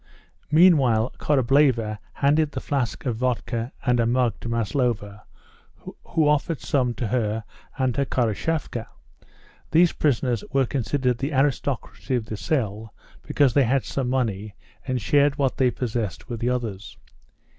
Meanwhile Korableva handed the flask of vodka and a mug to Maslova, who offered some to her and to Khoroshavka. These prisoners were considered the aristocracy of the cell because they had some money, and shared what they possessed with the others.